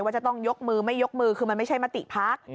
จะต้องยกมือไม่ยกมือคือมันไม่ใช่มติพัก